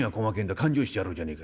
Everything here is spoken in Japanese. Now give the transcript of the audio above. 勘定してやろうじゃねえか。